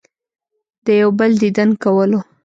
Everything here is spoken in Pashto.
د يو بل ديدن کولو